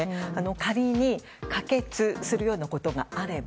仮に可決するようなことがあれば